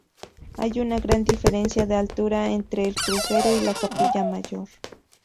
Hay una gran diferencia de altura entre el crucero y la capilla mayor.